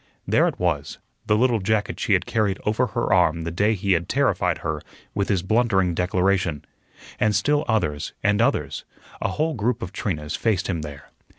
There it was, the little jacket she had carried over her arm the day he had terrified her with his blundering declaration, and still others, and others a whole group of Trinas faced him there.